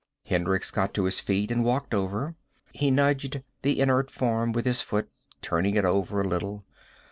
Hendricks got to his feet and walked over. He nudged the inert form with his foot, turning it over a little.